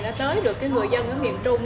nó tới được cái người dân ở miền trung